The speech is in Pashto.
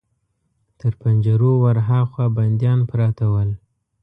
تر پنجرو ور هاخوا بنديان پراته ول.